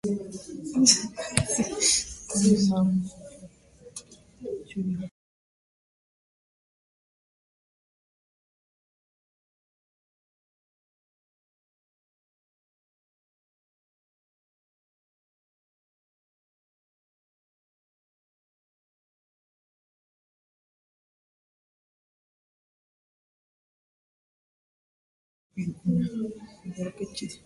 Convenía pues adaptar la fortaleza de manera urgente a los progresos de la artillería.